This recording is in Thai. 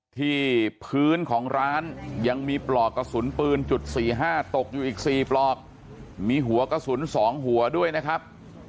ที่พื้นของร้านยังมีปลอกกระสุนปืนจุด๔๕ตกอยู่อีก๔ปลอกมีหัวกระสุน๒หัวด้วยนะครับ